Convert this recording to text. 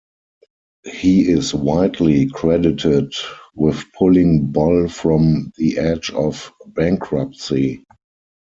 He is widely credited with pulling Bull from the edge of bankruptcy.